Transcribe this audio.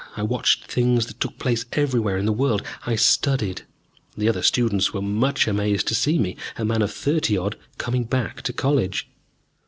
I watched things that took place everywhere in the world. I studied. The other students were much amazed to see me, a man of thirty odd, coming back to college.